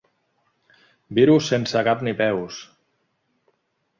Virus sense cap ni peus.